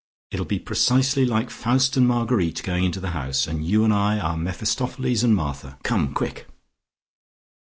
It'll be precisely like Faust and Marguerite going into the house, and you and I are Mephistopheles and Martha. Come quick!"